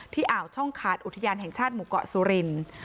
อ่าวช่องขาดอุทยานแห่งชาติหมู่เกาะสุรินทร์